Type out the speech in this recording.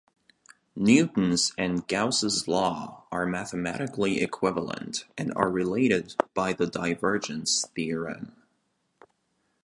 Newton's and Gauss's law are mathematically equivalent, and are related by the divergence theorem.